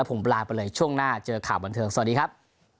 ผมลาไปเลยช่วงหน้าเจอข่าวบันเทิงสวัสดีครับ